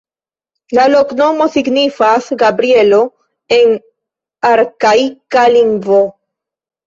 La loknomo signifas Gabrielo en arkaika lingvo.